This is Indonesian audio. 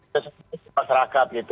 sesuai dengan masyarakat gitu